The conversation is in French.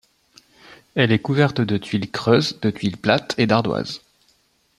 Elle est couverte de tuiles creuses, de tuiles plates et d'ardoises.